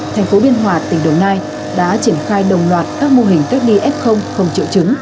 thành phố biên hòa tỉnh đồng nai đã triển khai đồng loạt các mô hình cách ly f không triệu chứng